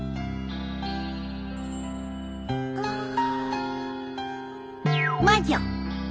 あっ魔女。